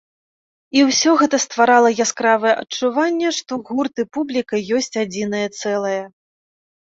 І ўсе гэта стварала яскравае адчуванне, што гурт і публіка ёсць адзінае цэлае.